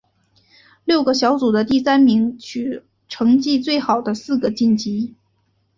六个小组的第三名取成绩最好的四个晋级。